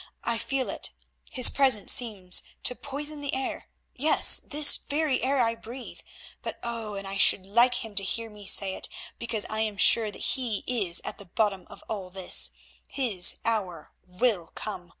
I feel it—his presence seems to poison the air, yes, this very air I breathe. But oh! and I should like him to hear me say it, because I am sure that he is at the bottom of all this, his hour will come.